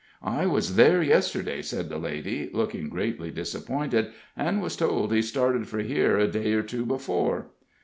"I was there yesterday," said the lady, looking greatly disappointed, "and was told he started for here a day or two before."